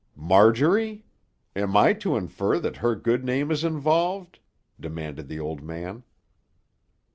"Marjorie? Am I to infer that her good name is involved?" demanded the old man.